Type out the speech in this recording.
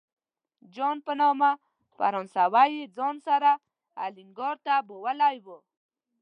جان په نامه فرانسوی یې ځان سره الینګار ته بیولی و.